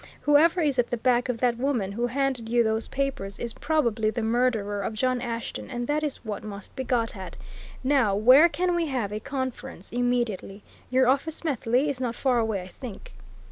Whoever is at the back of that woman who handed you those papers is probably the murderer of John Ashton and that is what must be got at. Now, where can we have a conference immediately? Your office, Methley, is not far away, I think."